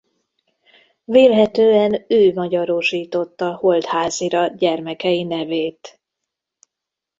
Vélhetően ő magyarosította Holdházy-ra gyermekei nevét.